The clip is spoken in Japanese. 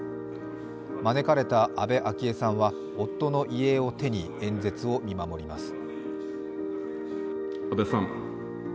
招かれた安倍昭恵さんは夫の遺影を手に演説を見守ります。